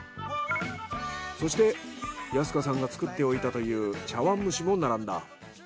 そして安加さんが作っておいたという茶碗蒸しも並んだ。